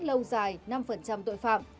lâu dài năm tội phạm